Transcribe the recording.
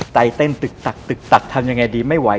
ใจเต้นตึกตักทำยังไงดีไม่ไหว